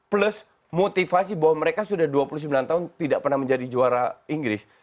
plus motivasi bahwa mereka sudah dua puluh sembilan tahun tidak pernah menjadi juara inggris